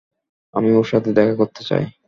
আমি ওর সাথে দেখা করতে চাই।